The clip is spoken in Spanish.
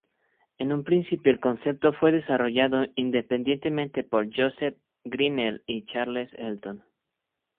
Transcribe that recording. En un principio el concepto fue desarrollado independientemente por Joseph Grinnell y Charles Elton.